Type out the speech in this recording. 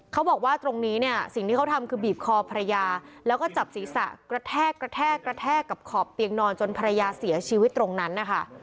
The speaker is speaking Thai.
เขาบอกว่าตรงนี้เนี่ยสิ่งที่เขาทำคือบีบคอภรรยาแล้วก็จับศีรษะกระแทกกระแทกกระแทกกับขอบเตียงนอนจนภรรยาเสียชีวิตตรงนั้นนะคะ